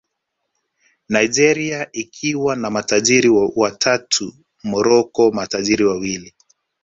Nigeria ikiwa na matajiri watatu Morocco matajiri wawili